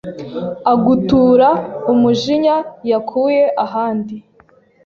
agutura umujinya yakuye ahandi.